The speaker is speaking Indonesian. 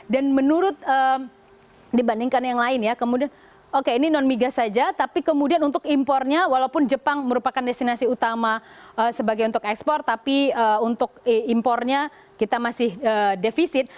dan menurut dibandingkan yang lain ya kemudian oke ini non migas saja tapi kemudian untuk impornya walaupun jepang merupakan destinasi utama sebagai untuk ekspor tapi untuk impornya kita masih defisit